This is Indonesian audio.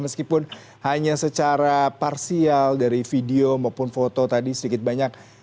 meskipun hanya secara parsial dari video maupun foto tadi sedikit banyak